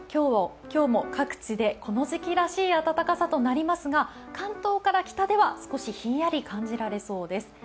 今日も各地でこの時期らしい暖かさとなりますが、関東から北では少しひんやり感じられそうです。